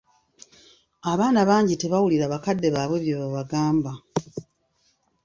Abaana bangi tebawulira bakadde baabwe bye babagamba.